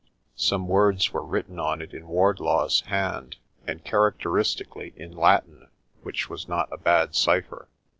Some words were written on it in Wardlaw's hand; and, characteristically, in Latin, which was not a bad cipher.